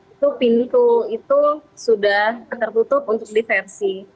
itu pintu itu sudah tertutup untuk diversi